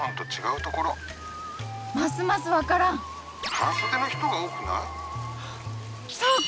半そでの人が多くない？